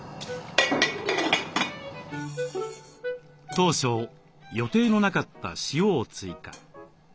当初予定のなかった塩を追加。